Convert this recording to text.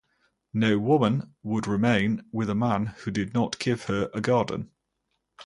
No woman would remain with a man who did not give her a garden.